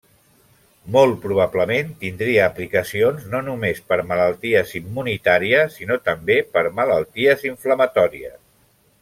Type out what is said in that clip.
Molt probablement tindria aplicacions no només per malalties immunitàries sinó també per malalties inflamatòries.